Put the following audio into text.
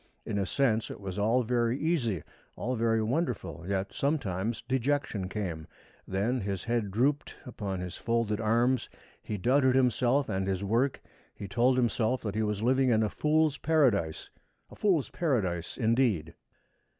In a sense it was all very easy, all very wonderful, yet sometimes dejection came. Then his head drooped upon his folded arms, he doubted himself and his work, he told himself that he was living in a fool's Paradise a fool's Paradise indeed!